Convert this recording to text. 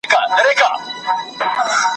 د غوڅولو اعلان کړی وو !.